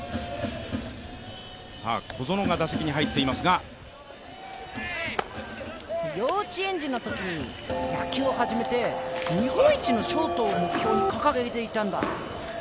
小園が打席に入っていますが幼稚園児のときに野球を始めて日本一のショートを目標に掲げていたんだ。